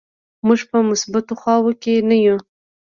موږ په مثبتو خواو کې نه یو.